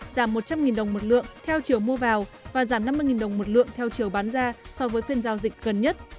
giảm một trăm linh đồng một lượng theo chiều mua vào và giảm năm mươi đồng một lượng theo chiều bán ra so với phiên giao dịch gần nhất